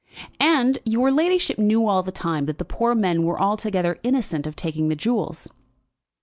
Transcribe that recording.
"And your ladyship knew all the time that the poor men were altogether innocent of taking the jewels?"